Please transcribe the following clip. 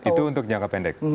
itu untuk jangka pendek